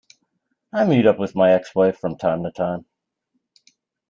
I meet up with my ex-wife from time to time.